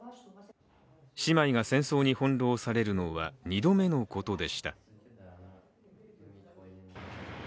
姉妹が戦争に翻弄されるのは２度目のことでした。